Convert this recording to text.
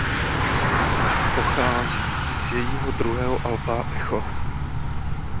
Pochází z jejího druhého alba Echo.